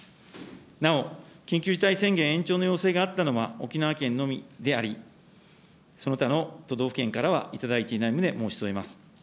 なお、緊急事態宣言延長の要請があったのは、沖縄県のみであり、その他の都道府県からは頂いていない旨、申し添えます。